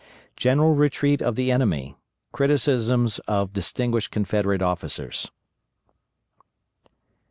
GENERAL RETREAT OF THE ENEMY CRITICISMS OF DISTINGUISHED CONFEDERATE OFFICERS.